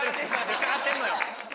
ひっかかってんのよ